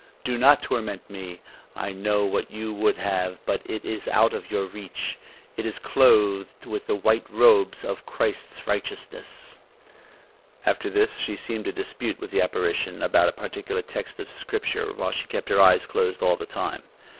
Do not torment me. I know what you would have; but it is out of your reach; it is clothed with the white robes of Christ's righteousness." After this, she seemed to dispute with the apparition about a particular text of Scripture, while she kept her eyes closed all the time.